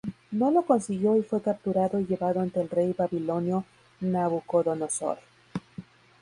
No lo consiguió y fue capturado y llevado ante el rey babilonio Nabucodonosor.